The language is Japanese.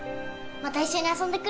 また一緒に遊んでくれる？